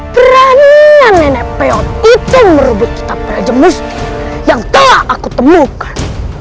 peranian nenek peon itu merubuk kitab raja musti yang telah aku temukan